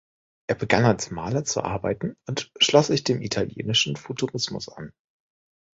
Er begann als Maler zu arbeiten und schloss sich dem italienischen Futurismus an.